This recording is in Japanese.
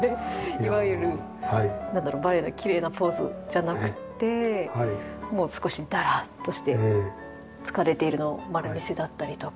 いわゆるバレエのきれいなポーズじゃなくってもう少しダラッとして疲れているの丸見せだったりとか。